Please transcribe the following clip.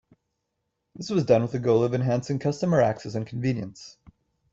This was done with the goal of enhancing customer access and convenience.